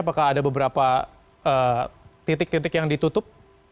apakah ada beberapa titik titik yang ditutup